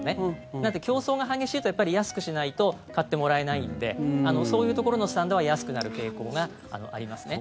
なので競争が激しいと安くしないと買ってもらえないのでそういうところのスタンドは安くなる傾向がありますね。